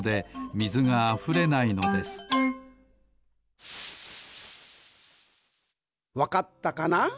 みずがあふれないのですわかったかな？